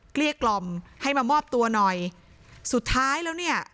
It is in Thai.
เกลี้ยกล่อมให้มามอบตัวหน่อยสุดท้ายแล้วเนี่ย